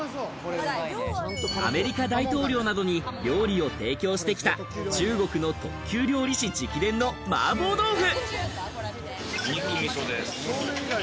アメリカ大統領などに料理を提供してきた、中国の特級料理師直伝の麻婆豆腐。